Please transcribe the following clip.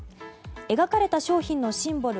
描かれた商品のシンボル